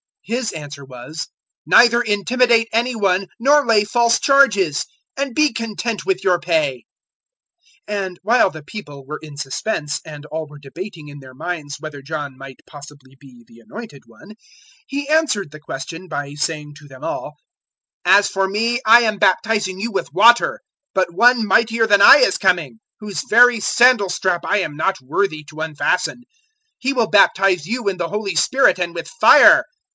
His answer was, "Neither intimidate any one nor lay false charges; and be content with your pay." 003:015 And while the people were in suspense and all were debating in their minds whether John might possibly be the Anointed One, 003:016 he answered the question by saying to them all, "As for me, I am baptizing you with water, but One mightier than I is coming, whose very sandal strap I am not worthy to unfasten: He will baptize you in the Holy Spirit and with fire.